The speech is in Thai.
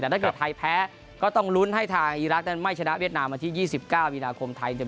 ถ้าเกิดไทยแพ้ก็ต้องลุ้นให้ทางอีรักษณ์ไม่ชนะเวียดนามวันที่๒๙มีนาคมไทยจะมีโอกาสในการเข้ารอบนะครับ